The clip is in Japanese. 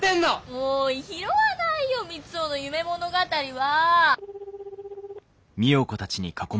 もう拾わないよ三生の夢物語は。